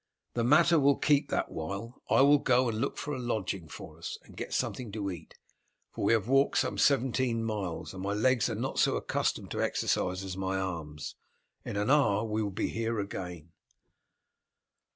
"The matter will keep that while. I will go and look for a lodging for us and get something to eat, for we have walked some seventeen miles, and my legs are not so accustomed to exercise as my arms. In an hour we will be here again."